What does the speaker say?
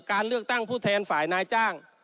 การเลือกตั้งผู้แทนฝ่ายนายจ้าง